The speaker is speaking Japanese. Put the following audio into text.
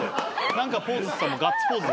「何かポーズ」っつったらガッツポーズ。